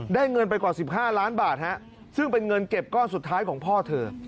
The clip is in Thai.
เงินไปกว่า๑๕ล้านบาทซึ่งเป็นเงินเก็บก้อนสุดท้ายของพ่อเธอ